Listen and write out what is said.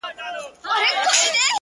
o اې گوره تاته وايم؛